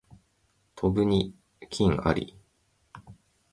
飛ぶに禽あり